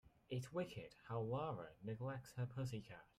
It's wicked how Lara neglects her pussy cat.